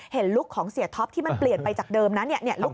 ลุคของเสียท็อปที่มันเปลี่ยนไปจากเดิมนะ